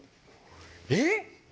えっ